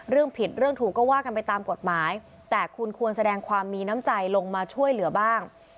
ผิดเรื่องถูกก็ว่ากันไปตามกฎหมายแต่คุณควรแสดงความมีน้ำใจลงมาช่วยเหลือบ้าง